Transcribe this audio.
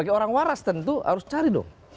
sebagai orang waras tentu harus cari dong